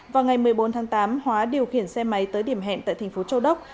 vào ngày một mươi bốn tháng tám hóa điều khiển xe máy tới điểm hẹn tại thành phố châu đốc